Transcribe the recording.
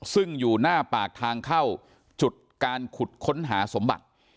ซึ่งอยู่หน้าปากทางเข้าจุดการขุดค้นหาสมบัติ